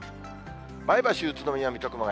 前橋、宇都宮、水戸、熊谷。